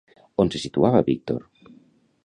On se situava Víctor?